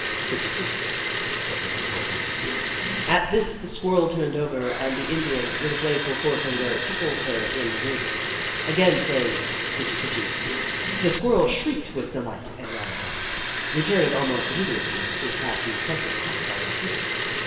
" Kitchi Kitchi," said Mr. Baldwin. At this the Squirrel turned over, and the Indian, with a playful forefinger, tickled her in the ribs, again saying, " Kitchi Kitchi." The Squirrel shrieked with delight and ran away, 90 The Book of Clever Beasts returning almost immediately to have the pleasant pastime repeated.